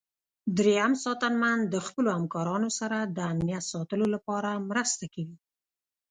دریم ساتنمن د خپلو همکارانو سره د امنیت ساتلو لپاره مرسته کوي.